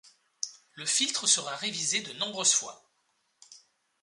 Le filtre sera révisé de nombreuses fois.